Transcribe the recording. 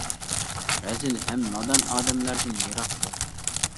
رەزىل ھەم نادان ئادەملەردىن يىراق تۇر.